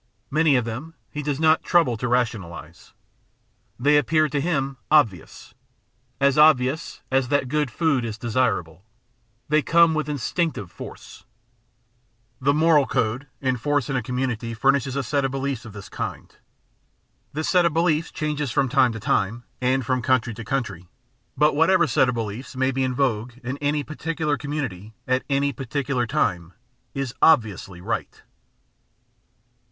Many of them he does not trouble to rationalise. They appear to him "obivous'* — as obvious as that good food is desirable; they come with instinctive force. The moral code in force in a com munity furnishes a set of beliefs of this kind. This set of beliefs changes from time to time and from coimtry to coimtry, but what ever set of beliefs may be in vogue in any particular community at any particular time is "obviously" right.